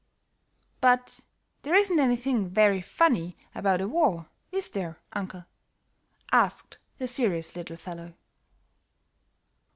"But there isn't anything very funny about a war, is there, uncle?" asked the serious little fellow.